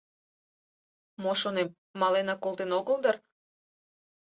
Мо, шонем, маленак колтен огыл дыр?